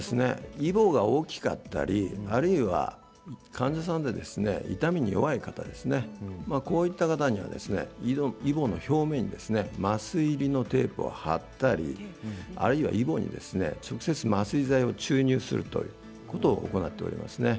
イボが大きかったりあるいは患者さんで痛みに弱い方こういった方にはイボの表面に麻酔入りのテープを貼ったりあるいはイボに直接麻酔剤を注入するということを行っておりますね。